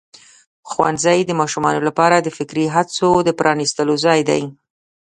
ښوونځی د ماشومانو لپاره د فکري هڅو د پرانستلو ځای دی.